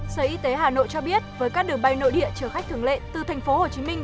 sở y tế hà nội cho biết với các đường bay nội địa chở khách thường lệ từ thành phố hồ chí minh